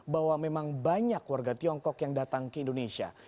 bahwa memang banyak warga tiongkok yang datang ke indonesia